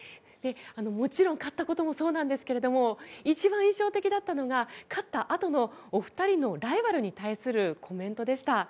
もちろん勝ったこともそうですけど一番印象的だったのが勝ったあとのお二人のライバルに対するコメントでした。